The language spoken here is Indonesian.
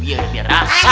biar dia rasa